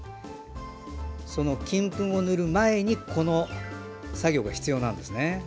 その金粉を塗る前にこの作業が必要なんですね。